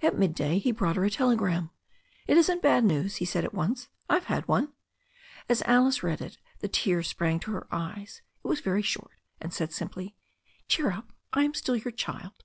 At midday he brought her a telegram. "It isn't bad news," he said at once. "I've had one." As Alice read it the tears sprang to her eyes. It was very short, and said simply: "Cheer up I am still your child."